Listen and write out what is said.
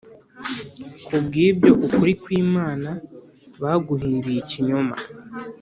Kubw’ibyo, ukuri kw’Imana baguhinduye ikinyoma